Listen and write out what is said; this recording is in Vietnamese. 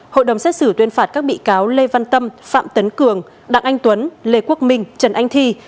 hội đồng xét xử tuyên phạt các bị cáo lê văn tâm phạm tấn cường đặng anh tuấn lê quốc minh trần anh thi